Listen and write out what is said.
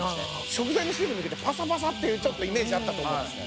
食材の水分抜けてパサパサっていうイメージあったと思うんですね。